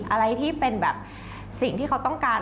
อะไรที่เป็นแบบสิ่งที่เขาต้องการ